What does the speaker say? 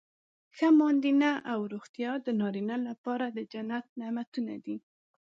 ښه ماندینه او روغتیا د نارینه لپاره د جنت نعمتونه دي.